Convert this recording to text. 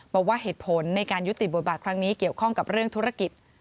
บอกว่าเหตุผลในการยุติบทบาทครั้งนี้เกี่ยวข้องกับเรื่องธุรกิจ